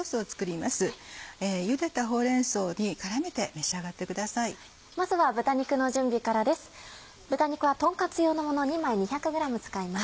まずは豚肉の準備からです。